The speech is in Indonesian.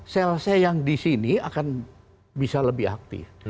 sel sel yang di sini akan bisa lebih aktif